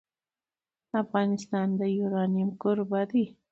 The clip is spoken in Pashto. افغانستان د یورانیم کوربه دی.